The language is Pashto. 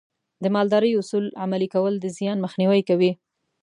د مالدارۍ اصول عملي کول د زیان مخنیوی کوي.